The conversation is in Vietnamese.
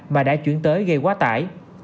mà đã chuyển tới gây quá tải